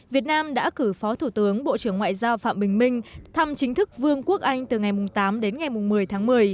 việt nam đã cử phó thủ tướng bộ trưởng ngoại giao phạm bình minh thăm chính thức vương quốc anh từ ngày tám đến ngày một mươi tháng một mươi